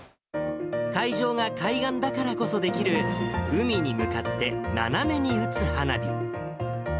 会場が海岸だからこそできる、海に向かって斜めに打つ花火。